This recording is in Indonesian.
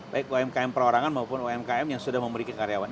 baik umkm perorangan maupun umkm yang sudah memiliki karyawan